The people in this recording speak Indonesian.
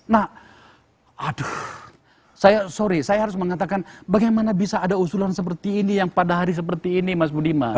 na aduh saya sorry saya harus mengatakan bagaimana bisa ada usulan seperti ini yang pada hari seperti ini mas budiman